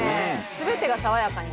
全てが爽やかに。